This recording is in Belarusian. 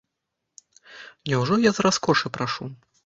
Няўжо я з раскошы прашу?